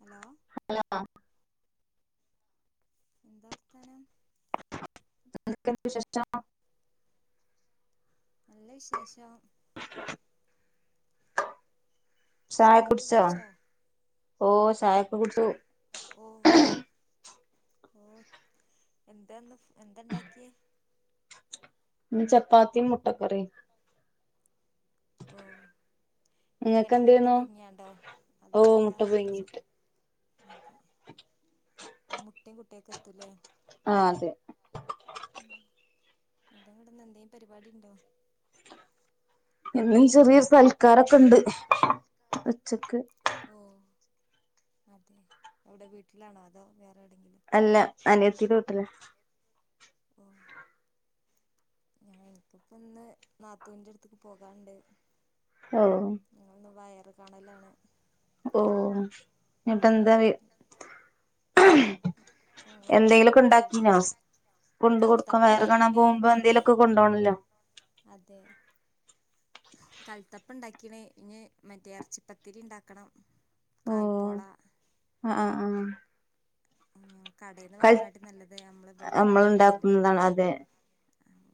Hello hello എന്താ വർത്താനം എന്തൊക്കെയുണ്ട് വിശേഷം നല്ല വിശേഷം [inaudible] [unintelligible] ചായയൊക്കെ കുടിച്ചോ ഓ ചായയൊക്ക കുടിച്ചു ഓ ഓ എന്താന്ന് എന്താ ഉണ്ടാക്കിയേ ഇന്ന് ചപ്പാത്തിയും മുട്ടക്കറിയും നിങ്ങൾക്ക് എങ്ങനെ മുട്ട എന്തേന്നു പുഴുങ്ങിയണ്ടോ അതോ ഓ മുട്ട മറ്റേ പുഴുങ്ങിയിട്ട് ചിക്ക് അതേ അപ്പൊ മുട്ടയും കുട്ടിയൊക്കെ പുലേ ആഹ് അതെ [unintelligible] എന്തേലും പരിപാടി ഉണ്ടോ ഇന്നും ചെറിയ സൽക്കാരം ഒക്കെ ഒണ്ട് ഉച്ചക്ക് ഓ അതെ അവിടെ വീട്ടിലാണോ അതോ വേറെ എവിടെയെങ്കിലും അല്ല അനിയത്തിയുടെ വീട്ടിലാ ഉം എനിക്കിപ്പം ഇന്ന് നാത്തൂന്റെ അടുത്തേക്ക് പോകാനുണ്ട് ഓ ഞങ്ങളിന്ന് വയറ് കാണലാണ് ഓ അതെന്താ വീ ഞങ്ങള് എന്തെങ്കിലുമൊക്കെ കൽ ഉണ്ടാക്കീനോ കൊണ്ട് കൊടുക്കാൻ കൽത്തപ്പ വയറുകാണാൻ ഉണ്ടാക്കീന് പോകുമ്പോ എന്തെങ്കിലുമൊക്കെ കൊണ്ട് പോകണമല്ലോ അതെ കൽത്തപ്പം ഇനി ഇറച്ചിപത്തിരി ഉണ്ടാക്കണം ഓ കായ്പ്പോള ആ ആ ആ കടയിൽ നിന്ന് കൽ വാങ്ങണതിലും നല്ലത് നമ്മൾ ഇവിടെത്തന്നെ നമ്മൾ ഉണ്ടാക്കണ തല്ലേ ഉണ്ടാക്കുന്നതാണ് വീട്ടീന്ന്. അതെ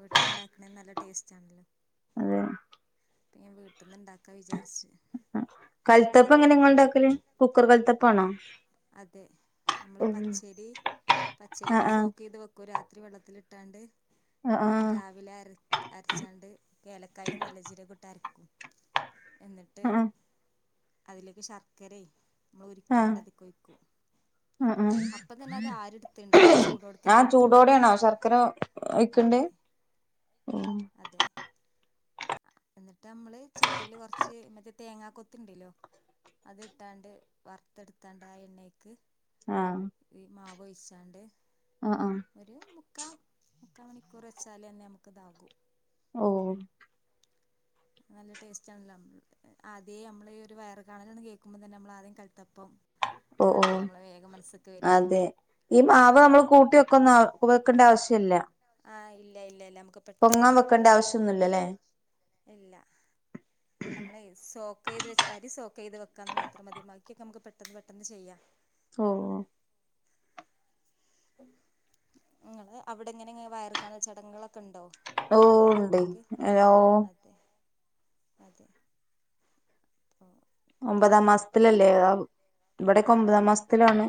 വീട്ടീന്ന് ഉണ്ടാക്കുന്ന [inaudible] [unintelligible] [unintelligible] കഴുത്തപ്പം എങ്ങനെയാ നിങ്ങൾ ഉണ്ടാക്കല് കുക്കർ കഴുത്തപ്പം ആണോ അതേ നമ്മൾ പച്ചരി പച്ചരി ആ നമ്മള് ആഹ് സോക്ക് ചെയ്ത് വെക്കും രാ വെള്ളത്തിലിട്ടാണ്ട് ആ രാവിലെ അരച്ചാണ്ട് ഏലയ്ക്കായും നല്ല ജീരകവും ഇട്ട് അരയ്ക്കും എന്നിട്ട് ആ ആ അതിലേക്ക് ശർക്കരയും ആ ഉരുക്കി അതി [unintelligible] ആ ആരെടുത്തിണ്ടാവും നമ്മൾ ചൂടോട്ക്കനെ ആ ഒഴിക്കണം ചൂടോടെ ആണോ ശർക്കര ഒഴിക്കേണ്ടേ അതേ എന്നിട്ട് നമ്മള് ചട്ടിയിൽ കുറച്ച് മറ്റേ തേങ്ങാക്കൊത്തുണ്ടല്ലോ അത് ഇട്ടാണ്ട് വറുത്ത എടുത്ത് എണ്ണയിൽ ആ ഈ മാവ് ഒഴി ഒഴിച്ചാണ്ട് ആ ആ ഒരു മുപ്പ മുക്കാ മണിക്കൂർ വച്ചാലേ തന്നെ ഇതാവൂ ഓ നല്ല ടേസ്റ്റാണല്ലോ അതേ നമ്മൾ ഈ വയറുകാണൽ എന്ന് കേക്കുമ്പോ തന്നെ നമ്മൾ ആദ്യം കൽ ഓ ഓ മനസ്സ്ക്ക് വരിക അതേ ഈ മാവ് നമ്മൾ കൂട്ടി ക്കണ്ട ആവശ്യമില്ല ആ ഇല്ല ഇല്ല പെട്ടെന്ന് ഉണ്ടാക്കാം വെക്കേണ്ട ആവശ്യൊന്നുല്ലല്ലേ ഇല്ല. നമ്മളെ സോക്ക് അരി സോക്ക് ചെയ്ത് വെയ്ക്കുക എന്ന് മാത്രം മതി നമുക്ക് പെട്ടെന്ന് പെട്ടെന്ന് ചെയ്യാം ഓ ങ്ങനെ അവിടെ ങ്ങനെ ഇങ്ങനെ വയർക്കാണൽ ചടങ്ങെളൊക്കെ ണ്ടോ? ഓ ഉണ്ട് എ ഓ അതെ അതെ. അപ്പോൾ ഒമ്പതാ ഞങ്ങള് മാസ്ത്തിലല്ലേ അ ബ് വ്ടക്കെ ഒമ്പതാം മാസ്ത്തിലാണ്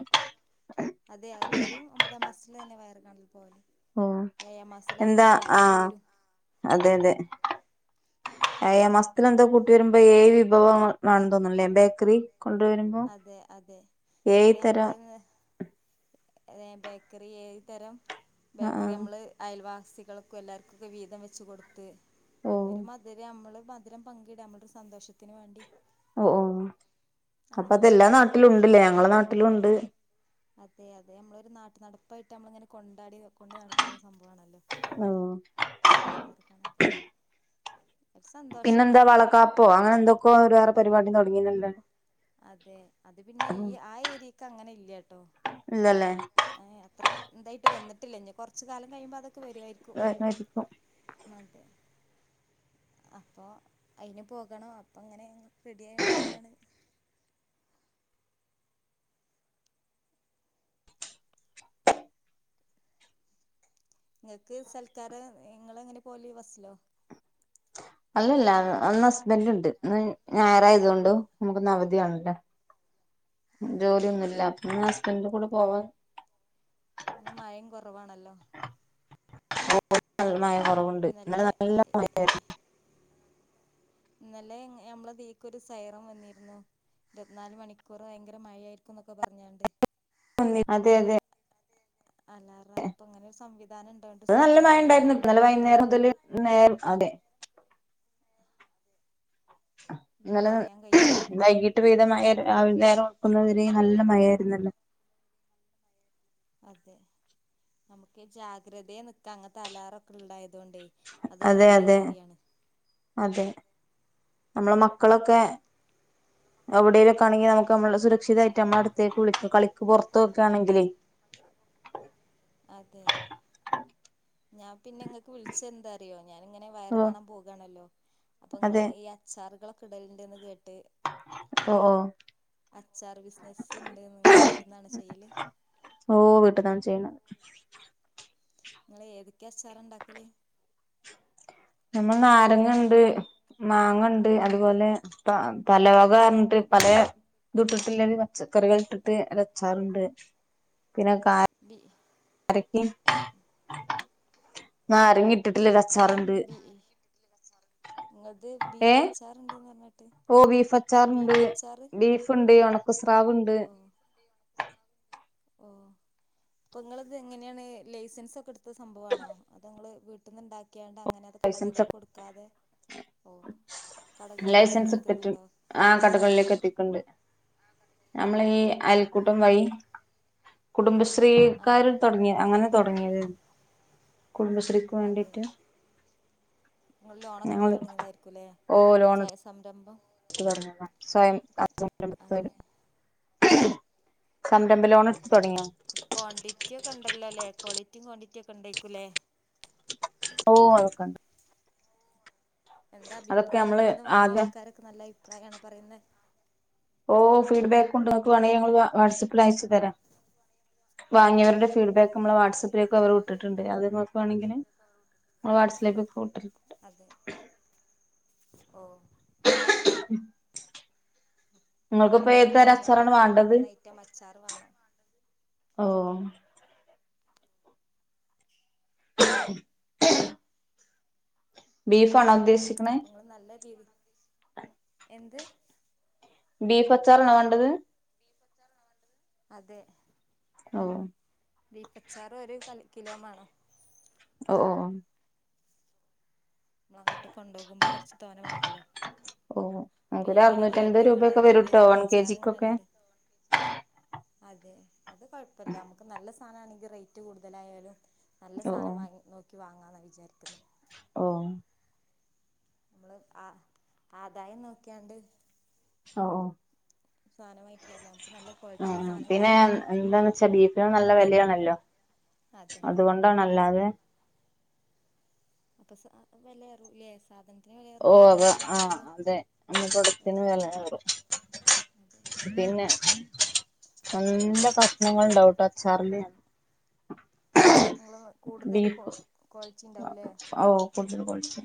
അതെ അത് ഇവിടെയും ഒമ്പതാം മാസത്തില് തന്നെ വയറ് കാണൽ പോവല് ഓ ഏഴാം മാസത്തില് അവര് എന്താ ഇങ്ങോട്ടേക്ക് ആഹ് വരും അതെ അതെ ഏയാ മാസ്തില് ന്താ കൂട്ടി വരുമ്പോ ഏയ് വിഭവങ വാണ തോന്നുല്ലേ ബേക്കറി...? കൊണ്ടുവരുമ്പോ അതെ അതെ ഏഴ് തെ തരം മ്മള് ങ് ഏ ബേക്കറി ഏത് തരം ആ ആ ബേക്കറി അമ്മള് അയൽവാ സികൾക്കു എല്ലാർ ക്കുക്കെ വീതം വെച്ചു കൊടുത്ത് ഓ ഒരു മധ് രി അമ്മള് മധുരം പങ്കിടാം ന മ്മൾടോരു സന്തോഷത്തിന് വേണ്ടി ഒ ഓഹ് അപ്പ അങ്ങനെ തെല്ലാ ചെയ്യല് നാട്ടിലും ണ്ട്ലെ അങ്ങളെ നാട്ടിലുണ്ട്. അതെ അതെ മ്മളൊരു നാട്ട് നടപ്പായിട്ട് നമ്മളങ്ങനെ കൊണ്ടാടി കൊണ്ട് നടക്കുന്ന സംഭവണല്ലോ ആര്താണ്? പിന്നെന്താ വളക്കാപ്പോ അങ്ങനെന്തക്കോ ഒരു വേറെ പരിവാടി തൊടങ്ങീനെന്താണ്? അതെ അത് പിന്നെ ഈ ആ ഏരിയക്ക് അങ്ങനെ ഇല്യട്ടൊ ഇല്ലല്ലേ ഏ യേ അത്ര ഇന്തായിട്ട് വന്നി ത്തില്ല്യ ഞ്ഞി കൊർച്ച് കാലംഴിയുമ്പത് പ്പ വരുായിരിക്കും വരുമായിരിക്കും അതെ അപ്പൊ അയ്ന് പോകണം അപ്പൊ ങ്ങനെ റെഡി ആയൂണ്ട് നിക്കാണ്. ഇങ്ങക്ക് സൽക്കാരം ഇങ്ങള് എങ്ങനെ പോല് ബസ്സിലോ? അല്ലല്ല അന്ന് ഹസ്ബന്റ്ണ്ട് ഇന്ന് ഞായറാായതൊണ്ടും ഞമ്മക്ക്ന്ന് അവധിആണല്ലോ അതെ ജോലിയൊന്നൂല്യ? ആ ഹസ്ബെന്റിന്റെ കൂടെ പോവാ ഇന്ന് മയിം കൊറവാണല്ലോ [inaudible] കൊറവുണ്ട് ഇന്നലെ നല്ല [unintelligible] ഇന്നലെ ഞമ്മള തീക്ക് ഒരു സൈറൻ വന്നീര്ന്നു ഇരുവത്നാല് മണിക്കൂർ ഭയങ്കര മയായിരിക്കും എന്നൊക്കെ പറഞ്ഞാണ്ട് [inaudible] അതെ അതെ അലാറം അപ്പൊ ഇങ്ങനെ ഒരു സംവിധാനം ഇണ്ടായോണ്ട് ഇന്ന് നല്ല മഴ സുഖാണല്ലേ ഉണ്ടായിരുന്നു അമ്മക്ക് ഇന്നലെ മുൻകൂട്ടി വൈകുന്നേരം മുതൽ നേരം അതെ ഇന്നലെ അറിയാൻ കഴിയല്ലോ [inaudible] വൈകിട്ട് പെയ്ത മ [unintelligible] രാവിലെ നേരം വെളുക്കുന്ന വരെയും നല്ല മഴയാരുന്നല്ലോ അതെ നമുക്കേ ജാഗ്രതേ നിക്കാം അങ്ങത്തെ അലാറൊക്കെ ഉണ്ടായി തുകൊണ്ടെ അതൊരു അതെ നല്ല അതെ കാര്യാണ് അതെയതെ നമ്മടെ മക്കളൊക്കെ എവിടേലും നിക്കാണെങ്കി നമുക്ക് നമ്മള് സുരക്ഷിതരായിട്ട് നമ്മടടുത്തേക്ക് വിളിക്കാം കളിക്ക് പൊറത്തുവൊക്കെയാണെങ്കിലെ ഞാപിന്നെ ഇങ്ങക്ക് വിളിച്ചയെന്താറിയോ ഞാനിങ്ങനെ ഓ വയറുകാണാൻ പോകുവാണല്ലോ അപ്പൊ അതെ ഇങ്ങള് ഈ അച്ചാറുകളൊ [unintelligible] തെ ഓ ഓ അച്ചാറ് ബിസിനസിണ്ട് നിങ്ങൾടെ വീട്ടിന്നാണൊ ചെയ്യല് ഓ വീട്ട്ന്നാണ് [inaudible] [unintelligible] നിങ്ങള് ഏതൊക്കെയാ അച്ചാറുണ്ടാക്കല് നമ്മള് നാരങ്ങൊണ്ട് മാങ്ങൊണ്ട് അതുപോലെ പാ പലവകൊണ്ട് പലെ ഇതിട്ടിട്ടൊള്ളൊരു പച്ചക്കറികളിട്ടിട്ട് ഒരച്ചാറിണ്ട് ബി [unintelligible] [unintelligible] നാരെങ്ങ ഇട്ടിട്ടുളള മം ഇങ്ങക്ക് ഏഹ് ബീഫച്ചാറിണ്ടീന്ന് പറഞ്ഞു ഓ ബീഫച്ചാറിണ്ട് ബീഫുണ്ട് ഒണക്ക സ്രാവുണ്ട് ഓ ഓ അപ്പൊ ഇങ്ങളിത് എങ്ങനെയാണ് ലൈസെൻസ് ഒക്കെ എടുത്ത സംഭവാണോ അതോ ഇങ്ങള് വീട്ടിന്നു ക്ക്യ്യാണ്ടങ്ങനെ അത് കടകളിലേക്കൊടുക്കാത് ഓ ലൈസൻസ് എടുത്തിട്ട് കടകളിലേക്കെത്തിക്കുന്നൊണ്ടൊ ഏ നമ്മളീ അയൽക്കൂട്ടം വയി കുടുംബ ശ്രീ ആ ശ്രീക്കാരിൽ തൊടങ്ങിയാ അങ്ങനെ തൊടങ്ങിയായിത് കുടുംബശ്രീക്കു അതെ വേണ്ടീട്ട് ഇങ്ങള് ലോണൊക്കെടുത്ത് തൊടങ്ങീതായിരിക്കുല്ലേ സ്വയംസംരംഭം ടുത്ത് തൊടങ്ങീതാ സ്വയം [unintelligible] പേര് അതെ [unintelligible] അതെ എടുത്ത് തുടങ്ങിയോ ക്വാന്റിറ്റിയൊക്കെയൊണ്ടല്ലോ അല്ലെ ക്വാളിറ്റിം ക്വാന്റിറ്റി റ്റിയൊക്കേണ്ടാരിക്കുല്ലേ ഓ അതൊക്കെയൊണ്ട് എന്താഭിപ്രായം നമ്മള് ഇങ്ങളയീന്ന് ആദ്യം വാങ്ങിയാൾക്കാരൊക്കെ നല്ല അഭിപ്രായാണോ പറയുന്നെ ഓ ഫീഡ്ബാക്കുണ്ട് ഇങ്ങക്ക് വേണേൽ ഞങ്ങളിത് വാ വാട്സപ്പിൽ അയച്ചുതരാം വാങ്ങിയവരടെ ഫീഡ്ബാക്ക് നമ്മടെ ഓക്കെ വാട്സപ്പിലേക്ക് അവർ ഇട്ടിട്ടുണ്ട് അത് നോ വേണെങ്കില് [unintelligible] അതെ ഓ [inaudible] [unintelligible] നമുക്കിപ്പം ഞാനിങ്ങനെ ഏതുതരം പോകാണല്ലോ സ്ഥലാണ് അപ്പൊ രണ്ട് വേണ്ടത്, മൂന്ന് ഐറ്റം അച്ചാറ് വേണം ഓ [inaudible] [unintelligible] ബീഫാണോ ഉദ്ദേശി നിങ്ങള് നല്ലടീമാ [inaudible] എന്ത് ബീഫച്ചാറാണോ വേണ്ടത് അതെ ഓ ബീഫച്ചാറും, ഒരു കറി കിലോംവേണം ഓ.. നമ്മളങ്ങോട്ട് കൊണ്ടുപോകുമ്പോൾ കുറച്ച് തോരൻ വേണമല്ലോ ഓ നമുക്കൊരു പിന്നയങ്ങനെ കേട്ട് അറുന്നൂറ്റൻപത് രൂപയൊക്കെ വരൂട്ടോ നിങ്ങളിതിങ്ങനെ വൺ കെ അച്ചാറ്, ജിക്കൊക്കെ അത് അതുകുഴപ്പമില്ല നമുക്ക് നല്ല സ അതാണെങ്കിൽ റേറ്റ് കൂടുതലായാലും നല്ല ഓ സാധനം വാങ്ങി, നോക്കി വാങ്ങി.. ഇന്നാളത് ചേർത്തില്ല ഓ.. നമ്മള്, അ.. ആദായം നോക്കാണ്ട് ഒ.... കാര്യല്ല നമുക്ക് നല്ല ഓ.. ക്വാളിറ്റിയുള്ള സാധനം കിട്ടണം പിന്നെയെന്താണെന്നുവച്ചാൽ ബീഫോളം നല്ല വെ അതെ [inaudible] അതുകൊണ്ടാണല്ലാതെ അപ്പം സാധ.. വിലയേറൂ ലേ സാധന ഓ അ അതെ നമ്മടെ പ്രോഡക്ടിനു വിലയേറും അതെ പിന്നെ [unintelligible] കഷ്ണങ്ങളുണ്ടാവൂട്ടോ അച്ചാറില് നിങ്ങള് കൂടുതല് കോ ക്വാളിറ്റിയിണ്ടാവുവല്ലേ ഒറിജിനൽ ക്വാളിറ്റിയ.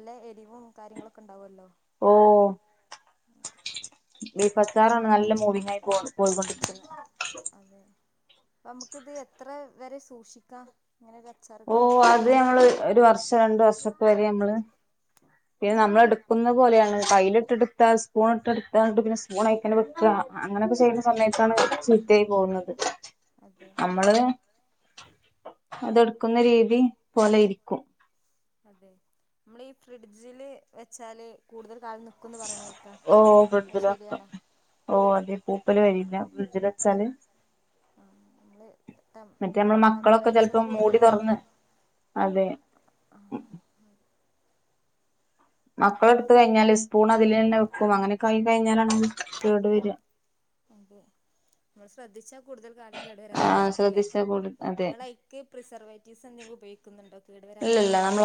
നല്ലഎരിവും കാര്യങ്ങളു ഒക്കെ എണ്ടാവുവല്ലോ ഓ ബീഫച്ചാറാണ് നല്ല മൂവിങ്ങായി പോണ് പോയ്ക്കൊണ്ടിരിക്കുന്നത്. അതെ നമുക്കിത് എത്ര വരെ സൂക്ഷിക്കാം? ഇങ്ങനെ ഒരു ഓ അച്ചാറുകളൊക്കെ എത്ര വരെ അതുനമ്മള് സൂക്ഷിക്കാം ഒരു വർഷം, രണ്ട് വർഷൊക്കെ വരെ നമ്മള് പിന്നെ നമ്മളെടുക്കുന്ന പോലെയാണ്. കൈയ്ലിട്ടെടുത്താ, സ്പൂണിട്ടെടുത്താണ്ട്, പിന്നെ സ്പൂണതിത്തന്നെ വെക്കാ അങ്ങനെയൊക്കെ ചെയ്യുന്ന സമയത്താണ് ചീത്തയായി പോകുന്നത്. അതെ നമ്മള് അതെടുക്കുന്നരീതി പോലെയിരിക്കും. നമ്മളീഫ്രിഡ്ജില് വെച്ചാല് കൂടുതൽ കാലം നിക്കുന്ന് പറയണ കേക്കാ ഓ അത് ഫ്രിഡ്ജില് വെക്കാം ശരിയാണോ [unintelligible] [unintelligible] ഫ്രിഡ്ജില് വെച്ചാല് ആ നമ്മള് ടെം മറ്റേമ്മള് മക്കളൊക്കെ ടെമ്പറേച്ചർ ചെലപ്പം മൂടി കൂടുന്തോറും തൊറന്ന്‌ അതെ ആ അപ്പെടുത്ത് കഴിഞ്ഞല് സ്പൂണത്തിലന്നെവെക്കും അങ്ങനൊക്കായിക്കഴിഞ്ഞാലാണ് കേട് വരുവാ. അതെ നമ്മശ്രദ്ധിച്ചാൽ കൂടുതൽ കാലം കേട് വരാതെ ആ സൂക്ഷിക്കാലെ ശ്രദ്ധിച്ചാ കൂടു അതെ നിങ്ങളായിക്ക് പ്രിസേർവേറ്റിസ് എന്തങ്കിലും ഉപയോഗിക്കുന്നുണ്ടോ കേട് ഇല്ലല്ല വരാതെനിക്കാനുള്ളെ?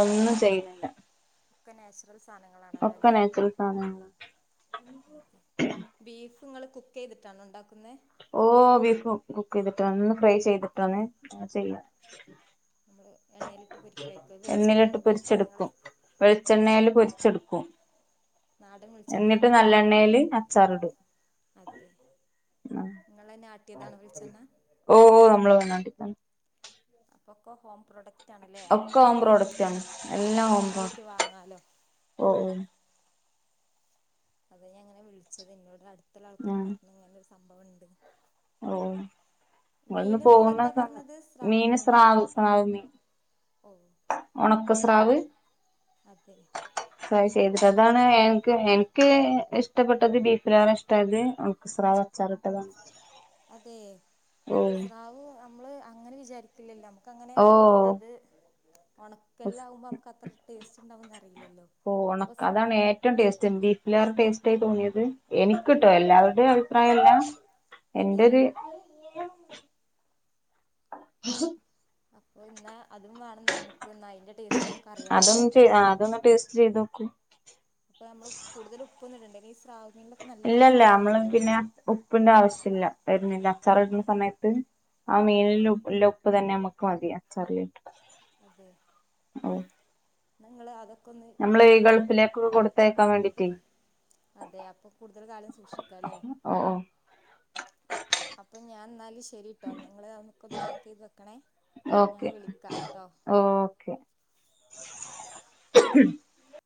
ഒക്കെ നാച്ചു ഒക്കെനാച്ചുറൽ സാനാങ്ങളാ. അതെ ബീഫ് ഇങ്ങള് കുക്കെയ്തിട്ടാണോ ഒണ്ടാക്കുന്നെ? ഓ ബീഫും കുക്കെയിതിട്ടാണ്ന്ന്‌ ഫ്രൈ ചെയ്തിട്ടാണെ അങ്ങനെ ചെയ്യാ. നമ്മള് എണ്ണയിലിട്ട് പൊരിക്കായിരിക്കും വെളിച്ചെണ്ണയാണോ എണ്ണേലിട്ട് ഉപയോഗിക്കുന്നത് നിങ്ങള് പൊരിച്ചെടുക്കും വെളിച്ചെണ്ണേല് പൊരിച്ചെടുക്കും. നാടൻ എന്നിട്ട് വെളിച്ചെണ്ണയായിരികുലേ നല്ലെണ്ണയില് അച്ചാറിടും അതെ നിങ്ങളന്നെ ആട്ടിയതാണോ വെളിച്ചെണ്ണ? വേറെന്ന ടിക്കണ്ണ് അപ്പൊക്കെ ഹോം പ്രോഡ ഒക്കഹോം പ്രോഡക്റ്റാണ് എല്ലാം ഹോം ധൈര്യമായിട്ട് പ്രോഡക്റ്റ് വാങ്ങാലോ ഓ ഓ അതാഞാനിങ്ങനെ വിളിച്ചത് എന്നോടാ ട്തൊള്ള ആൾകാര് ഉം പറഞ്ഞപോലെ സംഭവം ഒണ്ട് ഓ വന്ന് മീന് നിങ്ങളെന്താ പോകുന്നകെ അങ്ങ് പറഞ്ഞത് സ്രാവ് മീന് മീനോ സ്രാവ് സ്രാവ് മീൻ ഓ ഒണക്ക സ്രാവ് അതെ ട്രൈ ചെയ്തിട്ട് അതാണ് എൻക്ക് എനിക്ക് ഇഷ്ട്ടപ്പെട്ടത് ബീഫിനേറെ ഇഷ്ട്ടായത് ഒണക്ക സ്രാവ് അച്ചാറിട്ടതാണ് അതേ? ഓഹ് സ്രാവ് അമ് മ്മ്ള് അങ്ങനെ വിചാരിക്കില്ലല്ലോ ക്കങ്ങനെ അത് ഒണക്കൽലാവുമ്പോ അമക്കത്ര ടെസ്റ്റോണ്ടാവോന്നറിയില്ലല്ലോ ഒസ്‌ [unintelligible] ട്ടേസ്റ്റായിട്ട് തോന്നിയത് എനിക്ക്ട്ടോ എല്ലാവരേടേം അഭിപ്രായല്ല അതെ എന്റര് [unintelligible] അപ്പോയിന്ന അതും വേണം നമുക്ക് ന്നയിന്റെ ടെസ്റ്റും നമുക്കറിയാലോ അതൊന്ന് ചെയ് അതൊന്ന് ടേസ്റ്റ് ചെയ്ത് നോക്കൂ പ്പ മ്മള് കൂട്തലും ഒന്നിടണ്ടേ [unintelligible] ല്ലല്ലാ നമ്മള് പിന്നെ ഉപ്പിന്റെ ആവിശ്യല്ല. വെരുന്നില്ല അച്ചാറിടുന്ന സമേത്ത്? ആ അതെ മീനില്ലേ ലുപ്പ് തന്നെ നമക്ക് പാതി അച്ചാറിലിട്ടു അതെ ങ്ങള് [unintelligible] ഞമ്മള് ഗൾഫിലേക്കൊക്കെ കൊട്ത്തയക്കാൻ വേണ്ടി റ്റേയ് അതെ അപ്പൊ കൂടുതൽ കാലം സൂക്ഷിക്കാലെ ഓഹ് ഓഹ് അപ്പോഞ്ഞാന്നാല് ശെ ശരിട്ടോ ന്നാ ങ്ങള് അതൊക്കെന്ന് പാകീത് വെക്കണേ ഞാൻ ഓക്കെ വിളിക്കാ ട്ടോ ഓക്കെ [inaudible] [unintelligible]